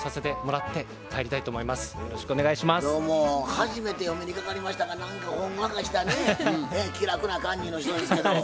初めてお目にかかりましたが何かほんわかしたね気楽な感じの人ですけど。